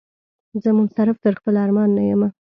زه منصرف تر خپل ارمان نه یمه